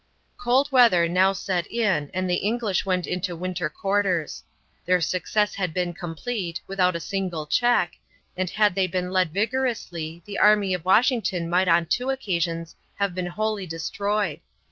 Cold weather now set in and the English went into winter quarters. Their success had been complete, without a single check, and had they been led vigorously the army of Washington might on two occasions have been wholly destroyed.